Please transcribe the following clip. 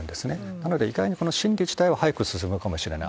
なので、意外にこの審理自体は早く進むかもしれない。